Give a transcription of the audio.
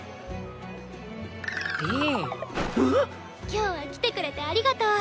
今日は来てくれてありがとう。